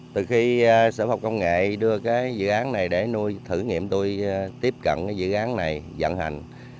từ khi sở học công nghệ đưa dự án này để nuôi thử nghiệm tôi tiếp cận dự án này dẫn hành